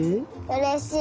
うれしい！